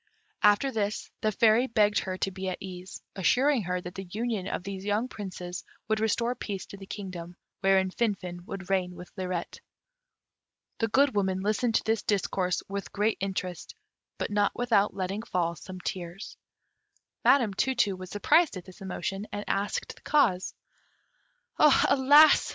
After this the Fairy begged her to be at ease, assuring her that the union of these young Princes would restore peace to the kingdom, wherein Finfin would reign with Lirette. The Good Woman listened to this discourse with great interest; but not without letting fall some tears. Madam Tu tu was surprised at this emotion, and asked the cause. "Alas!"